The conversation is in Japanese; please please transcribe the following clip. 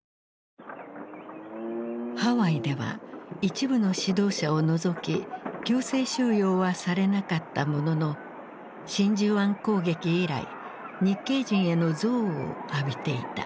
ハワイでは一部の指導者を除き強制収容はされなかったものの真珠湾攻撃以来日系人への憎悪を浴びていた。